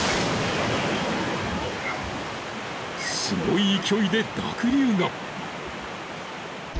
［すごい勢いで濁流が］